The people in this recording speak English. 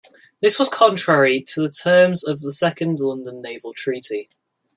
This was contrary to the terms of the Second London Naval Treaty.